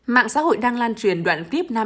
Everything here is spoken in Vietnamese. mạng xã hội đang lan truyền đoạn clip nam em